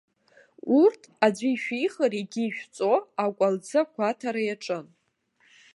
Урҭ, аӡәы ишәихыр егьи ишәҵо, акәалӡы агәаҭара иаҿын.